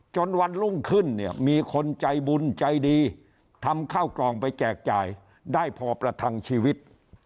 วันรุ่งขึ้นเนี่ยมีคนใจบุญใจดีทำข้าวกล่องไปแจกจ่ายได้พอประทังชีวิต